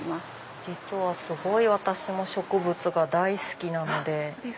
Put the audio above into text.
実はすごい私も植物が大好きなので。